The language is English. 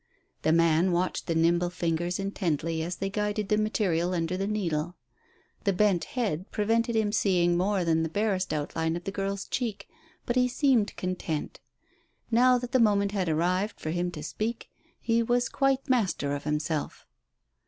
The man watched the nimble fingers intently as they guided the material under the needle. The bent head prevented him seeing more than the barest outline of the girl's cheek, but he seemed content. Now that the moment had arrived for him to speak, he was quite master of himself.